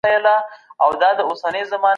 د مسلمانانو عدالت نړۍ ته ثابت دی.